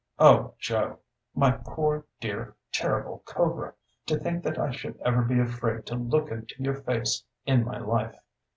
O Joe! my poor, dear, terrible cobra! to think that I should ever be afraid to look into your face in my life!